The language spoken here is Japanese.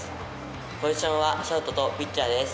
ポジションはショートとピッチャーです。